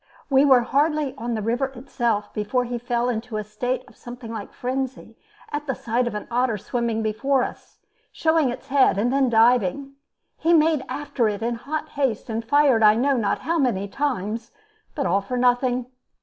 We were hardly on the river itself before he fell into a state of something like frenzy at the sight of an otter swimming before us, showing its head, and then diving. He made after it in hot haste, and fired I know not how many times, but all for nothing.